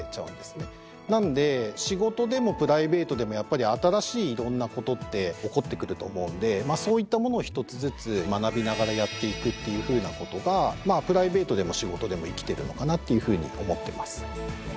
なんで仕事でもプライベートでもやっぱり新しいいろんなことって起こってくると思うんでまあそういったものを一つずつ学びながらやっていくっていうふうなことがプライベートでも仕事でも生きてるのかなっていうふうに思ってます。